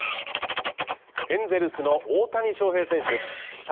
エンゼルスの大谷翔平選手侍